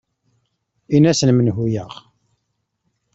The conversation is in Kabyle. In-asen menhu-yaɣ.